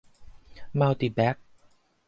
มัลติแบกซ์